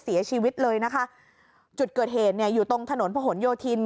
เสียชีวิตเลยนะคะจุดเกิดเหตุเนี่ยอยู่ตรงถนนผนโยธิน